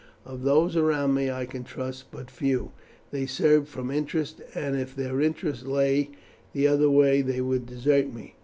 Of those around me I can trust but few. They serve from interest, and if their interest lay the other way they would desert me.